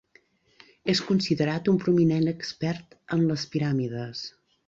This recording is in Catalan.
És considerat un prominent expert en les Piràmides.